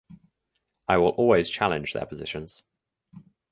I will always challenge their positions.